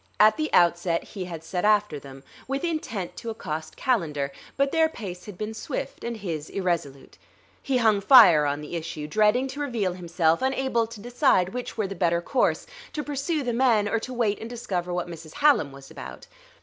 At the outset he had set after them, with intent to accost Calendar; but their pace had been swift and his irresolute. He hung fire on the issue, dreading to reveal himself, unable to decide which were the better course, to pursue the men, or to wait and discover what Mrs. Hallam was about.